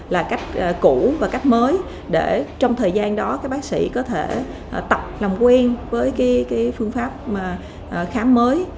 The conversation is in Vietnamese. là cách cũ và cách mới để trong thời gian đó các bác sĩ có thể tập làm quen với phương pháp khám mới